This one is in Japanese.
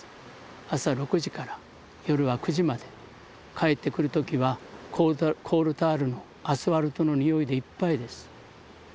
朝６時から夜は９時まで帰ってくる時はコールタールのアスファルトのにおいでいっぱいです。